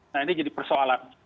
nah ini jadi persoalan